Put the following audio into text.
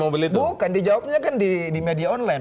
bukan di jawabnya di media online